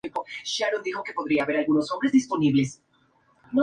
Fueron condenados inicialmente a "prisión indefinida" a pan y agua.